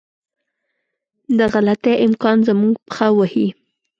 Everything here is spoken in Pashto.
د غلطي امکان زموږ پښه وهي.